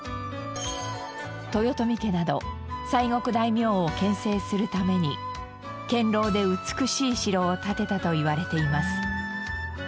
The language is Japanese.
豊臣家など西国大名を牽制するために堅牢で美しい城を建てたといわれています。